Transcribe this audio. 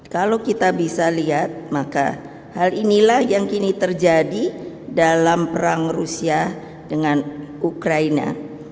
kalau kita bisa lihat maka hal inilah yang kini terjadi dalam perang rusia dengan ukraina